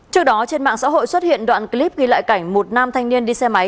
trước đó trên mạng xã hội xuất hiện đoạn clip ghi lại cảnh một nam thanh niên đi xe máy